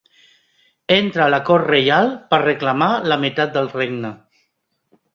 Entra a la cort reial per reclamar la meitat del regne.